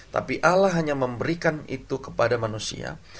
tapi allah hanya memberikan itu kepada manusia